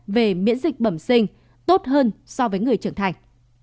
về miễn dịch bẩm sinh tốt hơn so với người trưởng thành